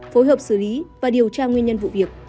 phối hợp xử lý và điều tra nguyên nhân vụ việc